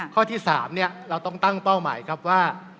ข้อที่๓เนี่ยเหลือต้องตั้งเป้าหมายครับว่า